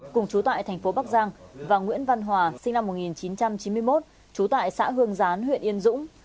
cùng chú tại thành phố bắc giang và nguyễn văn hòa sinh năm một nghìn chín trăm chín mươi một trú tại xã hương gián huyện yên dũng